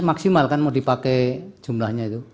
maksimal kan mau dipakai jumlahnya itu